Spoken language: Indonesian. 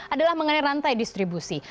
adalah mengenai rantai distribusi